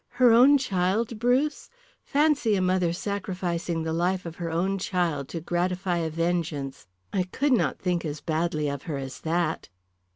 Her own child, Bruce? Fancy a mother sacrificing the life of her own child to gratify a vengeance! I could not think as badly of her as that."